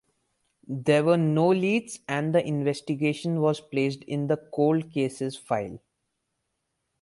There were no leads and the investigation was placed in the cold cases file.